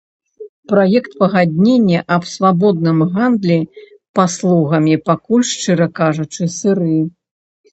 Праект пагаднення аб свабодным гандлі паслугамі пакуль, шчыра кажучы, сыры.